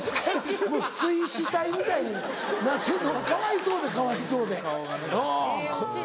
水死体みたいになってんのがかわいそうでかわいそうでうん。